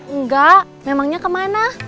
enggak memangnya kemana